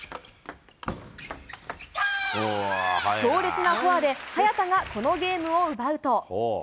強烈なフォアで早田が、このゲームを奪うと。